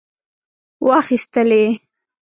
واخیستلې.